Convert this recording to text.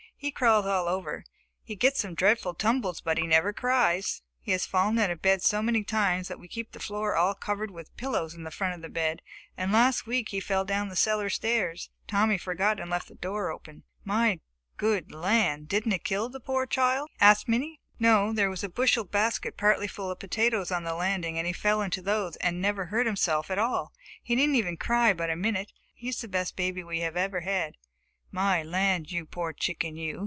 "He crawls all over. He gets some dreadful tumbles but he never cries. He has fallen out of bed so many times that we keep the floor all covered with pillows in front of the bed, and last week he fell down the cellar stairs. Tommy forgot and left the door open." "My good land, didn't it kill the poor child?" asked Minnie. "No, there was a bushel basket partly full of potatoes on the landing, and he fell into those and never hurt himself at all. He didn't even cry but a minute. He is the best baby we have ever had." "My land, you poor chicken, you!"